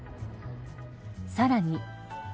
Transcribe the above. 更に。